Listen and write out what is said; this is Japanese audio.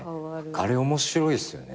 あれ面白いっすよね。